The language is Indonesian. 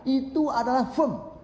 itu adalah firm